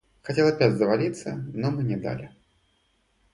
Хотел опять завалиться, но мы не дали.